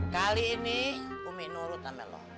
kali ini om mi nurut sama lo